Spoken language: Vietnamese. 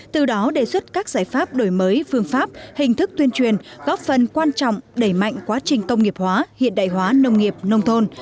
từ đó đề xuất các giải pháp đổi mới phương pháp hình thức tuyên truyền góp phần quan trọng đẩy mạnh quá trình công nghiệp hóa hiện đại hóa nông nghiệp nông thôn